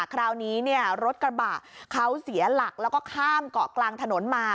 คราวนี้รถกระบะเขาเสียหลักแล้วก็ข้ามเกาะกลางถนนมา